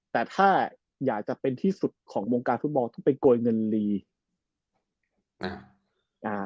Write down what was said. แต่ถ้าอยากจะเป็นที่สุดของวงการฟุตบอลต้องไปโกยเงินลีอ่าอ่า